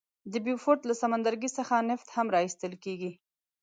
د بیوفورت له سمندرګي څخه نفت هم را ایستل کیږي.